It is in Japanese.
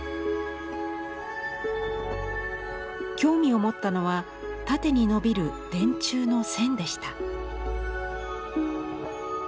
興味を持ったのは縦にのびる電柱の線でした。